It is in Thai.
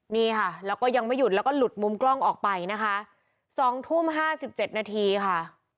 นี่ค่ะแล้วก็ยังไม่หยุดแล้วก็หลุดมุมกล้องออกไปนะคะสองทุ่มห้าสิบเจ็ดนาทีค่ะ